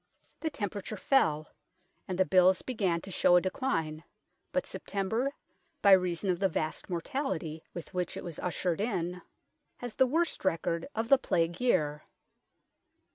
The temperature 224 UNKNOWN LONDON fell, and the bills began to show a decline, but September, by reason of the vast mortality with which it was ushered in, has the worst record of the Plague year.